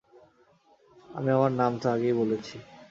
আমি আমার নাম তো আগেই বলেছি।